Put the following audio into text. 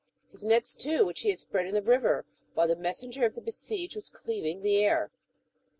his nets, too, whicli he had spread in the river, while the messenger of the besieged was cleaving the air